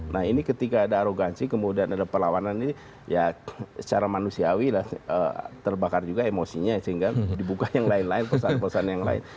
nah ini ketika ada arogansi kemudian ada perlawanan ini ya secara manusiawi lah terbakar juga emosinya sehingga dibuka yang lain lain perusahaan perusahaan yang lain